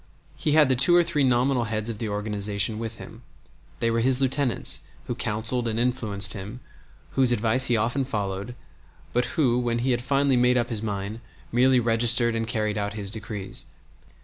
He had the two or three nominal heads of the organization with him. They were his lieutenants, who counseled and influenced him, whose advice he often followed, but who, when he had finally made up his mind, merely registered and carried out his decrees.